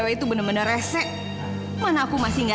bagaimana acara buer kebelakangan ya